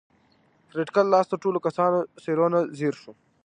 فریدګل د لاس تړلو کسانو څېرو ته ځیر شو